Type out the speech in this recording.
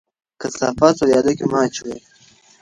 کثافات په ویاله کې مه اچوئ.